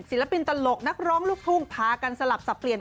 ศิลปินตลกนักร้องลูกทุ่งพากันสลับสับเปลี่ยน